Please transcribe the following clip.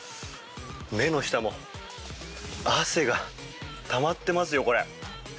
目の下も汗がたまっていますよこれ。